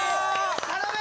頼む！